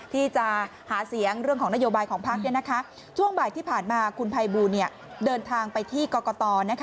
ที่จะหาเสียงเรื่องของนโยบายของพักช่วงบ่ายที่ผ่านมาคุณภัยบูลเดินทางไปที่กรกต